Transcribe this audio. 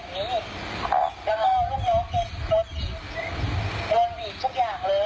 แล้วรูปน้องก็รู้สึกอย่างเลย